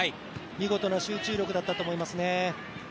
見事な集中力だったと思いますね。